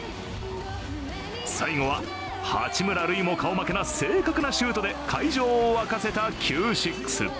最後は八村塁も顔負けな正確なシュートで会場を沸かせたＣＵＥ６。